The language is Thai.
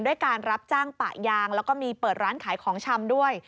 ด้วยการรับจ้างปะยางแล้วก็มีเปิดร้านขายของชำด้วย